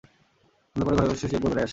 সন্ধ্যার পর ঘরে ঘরে শশী একবার বেড়াইয়া আসে।